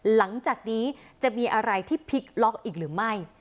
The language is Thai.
หลังจากนี้จะมีอะไรที่พลิกล็อกอีกหรือไม่